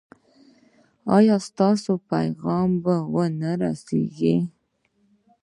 ایا ستاسو پیغام به و نه رسیږي؟